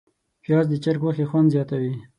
پیاز د چرګ غوښې خوند زیاتوي